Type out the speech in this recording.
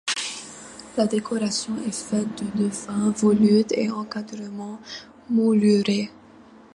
La décoration est faite de dauphins, volutes et encadrements moulurés.